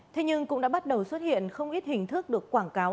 thế nhưng cũng đã bắt đầu xuất hiện không ít hình thức được quảng cáo